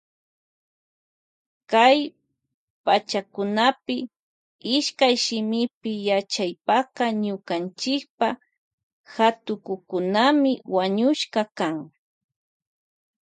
Kay pachakunapi ishkayshimipi yachaypaka ñukanchipa hatukukunami wañushka kan.